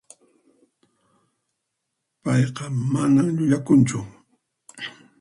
Payqa mana llullakunchu.